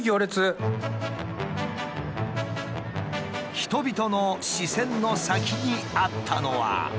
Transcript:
人々の視線の先にあったのは。